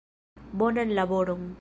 Bonan laboron!